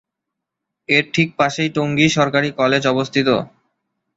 এর ঠিক পাশেই টঙ্গী সরকারি কলেজ অবস্থিত।